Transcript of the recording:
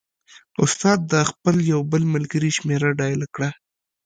استاد د خپل یو بل ملګري شمېره ډایله کړه.